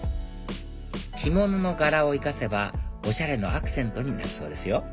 着物の柄を生かせばおしゃれのアクセントになるそうですよ